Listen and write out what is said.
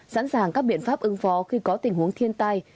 sẵn sàng các biện pháp ứng phó khi có tình huống thiên tai